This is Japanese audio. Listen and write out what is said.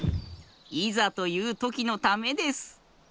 いざというときのためです。